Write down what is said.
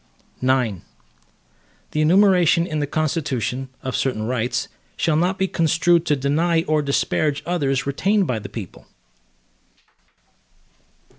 IX The enumeration in the Constitution, of certain rights, shall not be construed to deny or disparage others retained by the people.